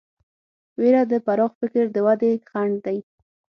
وېره د پراخ فکر د ودې خنډ دی.